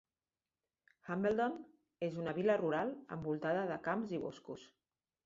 Hambledon és una vila rural envoltada de camps i boscos.